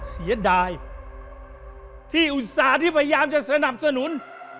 เสียดายที่อุตส่าห์ที่พยายามจะสนับสนุน